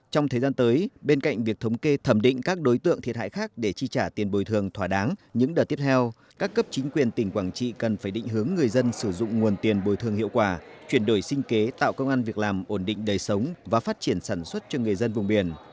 trong thời gian tới bên cạnh việc thống kê thẩm định các đối tượng thiệt hại khác để chi trả tiền bồi thường thỏa đáng những đợt tiếp theo các cấp chính quyền tỉnh quảng trị cần phải định hướng người dân sử dụng nguồn tiền bồi thương hiệu quả chuyển đổi sinh kế tạo công an việc làm ổn định đời sống và phát triển sản xuất cho người dân vùng biển